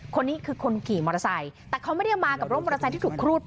คนนี้คือคนขี่มอเตอร์ไซค์แต่เขาไม่ได้มากับรถมอเตอร์ไซค์ที่ถูกครูดไป